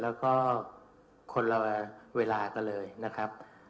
แล้วก็คนละเวลากันเลยนะครับ